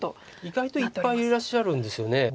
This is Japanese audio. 意外といっぱいいらっしゃるんですよね。